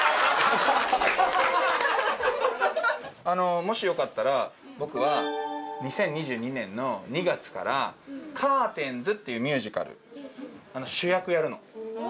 あのもしよかったら僕は２０２２年の２月から『カーテンズ』っていうミュージカル主役やるの。